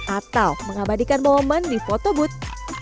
atau mengabadikan momen di photobooth